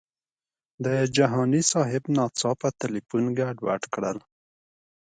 د جهاني صاحب ناڅاپه تیلفون ګډوډ کړل.